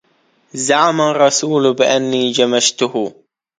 زعم الرسول بأنني جمشته